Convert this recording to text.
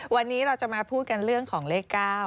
วันนี้เราจะมาพูดกันเรื่องของเลข๙